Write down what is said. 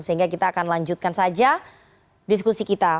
sehingga kita akan lanjutkan saja diskusi kita